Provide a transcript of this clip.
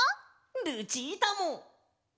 ルチータも！